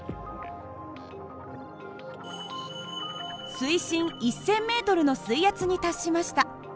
水深１，０００ｍの水圧に達しました。